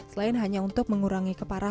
selain hanya untuk mengurangi keparahan